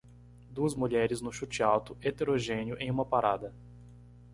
Duas mulheres no chute alto heterogéneo em uma parada.